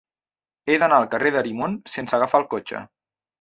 He d'anar al carrer d'Arimon sense agafar el cotxe.